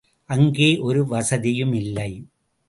அங்கே ஒரு வசதியுமில்லை.